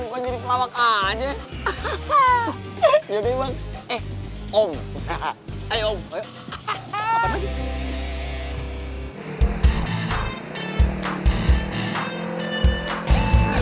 bukan jadi pelawak aja ya